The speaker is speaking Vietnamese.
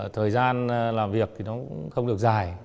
thời gian làm việc cũng không được dài